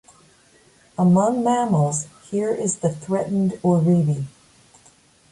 Among mammals here is the threatened oribi.